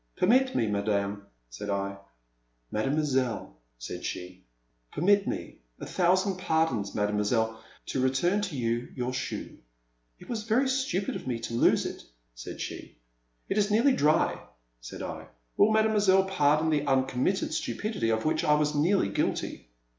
Permit me, madame,'* said I —Mademoiselle —" said she —Permit me, — a thousand pardons, Mademoi selle, — to return to you your shoe." It was very stupid of me to lose it," said she. It is nearly dry," said I ;will Mademoiselle pardon the uncommitted stupidity of which I was nearly guilty."